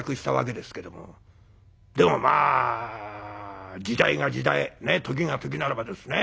でもまあ時代が時代時が時ならばですね